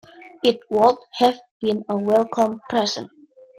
It would have been a welcome present.